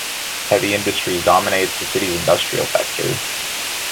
Heavy industry dominates the city's industrial sector.